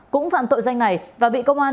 cũng phạm tội danh này và bị công an